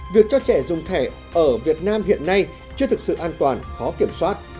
việc cho trẻ dùng thẻ ở việt nam hiện nay chưa thực sự an toàn khó kiểm soát